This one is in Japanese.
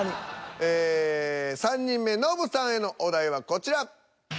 ええ３人目ノブさんへのお題はこちら。